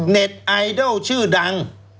เน็ตไอดัลชื่อดัง